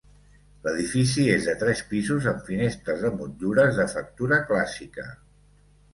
L'edifici és de tres pisos amb finestres de motllures de factura clàssica.